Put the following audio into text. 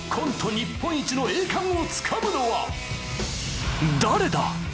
日本一の栄冠をつかむのは誰だ？